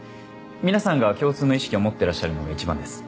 皆さんが共通の意識を持ってらっしゃるのが一番です